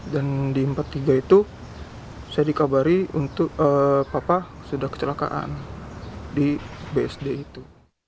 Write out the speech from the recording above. dan di empat belas empat puluh tiga itu saya dikabari untuk papa sudah kecelakaan di bsd itu